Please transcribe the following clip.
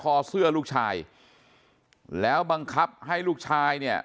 คอเสื้อลูกชายแล้วบังคับให้ลูกชายเนี่ย